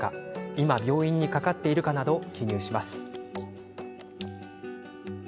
今、病院にかかっているかなどを記入します。